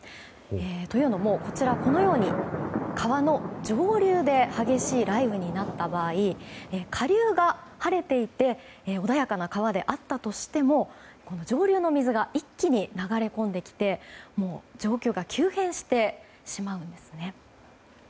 というのもこのように、川の上流で激しい雷雨になった場合下流が晴れていて穏やかな川であったとしても上流の水が一気に流れ込んできて状況が急変してしまうんですね。